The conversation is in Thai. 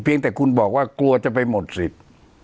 แต่คุณบอกว่ากลัวจะไปหมดสิทธิ์